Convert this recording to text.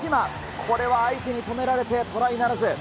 これは相手に止められて、トライならず。